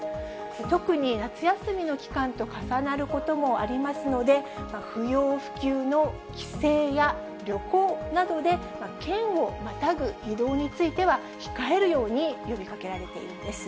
特に夏休みの期間と重なることもありますので、不要不急の帰省や旅行などで、県をまたぐ移動については、控えるように呼びかけられているんです。